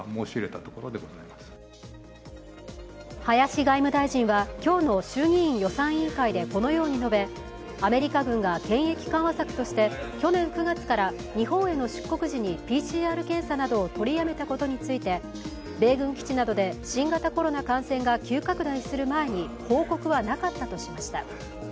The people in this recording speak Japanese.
林外務大臣は今日の衆議院予算委員会でこのように述べ、アメリカ軍が検疫緩和策として去年９月から日本への出国時にＰＣＲ検査などを取りやめたことについて米軍基地などで新型コロナ感染が急拡大する前に報告はなかったとしました。